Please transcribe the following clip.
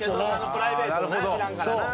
プライベートをな知らんからな。